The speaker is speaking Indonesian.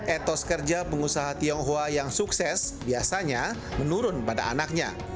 etos kerja pengusaha tionghoa yang sukses biasanya menurun pada anaknya